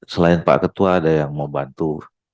selain pak ketua ada yang mau bantu